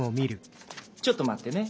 ちょっと待ってね。